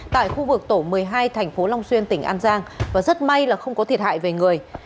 tại khu vực tổ một mươi hai thành phố long xuyên tỉnh an giang và rất may là không có thiệt hại về người